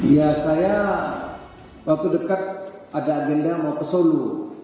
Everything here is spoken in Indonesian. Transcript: ya saya waktu dekat ada agenda mau ke solo